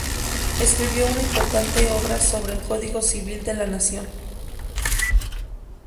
Escribió una importante obre sobre el Código Civil de la Nación.